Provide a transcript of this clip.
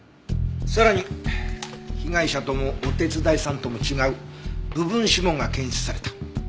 さらに被害者ともお手伝いさんとも違う部分指紋が検出された。